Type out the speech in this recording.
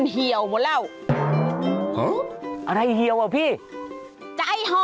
เฮ่เฮ่เฮ่เฮ่